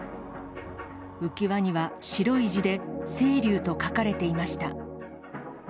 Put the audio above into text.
浮き輪には白い字で、せいりゅうと書かれていました。